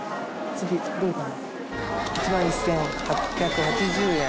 １万１，８８０円。